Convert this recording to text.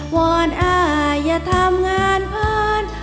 ว่อนอายอย่าทำงานเพิ่ม